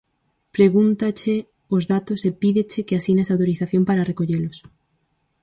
Pregúntache os datos e pídeche que asines a autorización para recollelos.